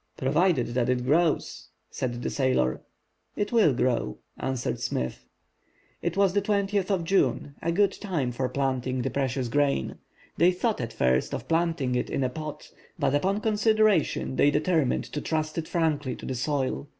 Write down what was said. "Provided that it grows," said the sailor. "It will grow," answered Smith. It was now the 20th of June, a good time for planting the precious grain. They thought at first of planting it in a pot; but upon consideration, they determined to trust it frankly to the soil.